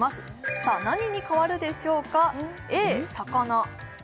さあ何に変わるでしょうか？